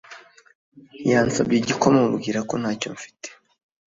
Yansabye igikoma mubwira ko ntacyo mfite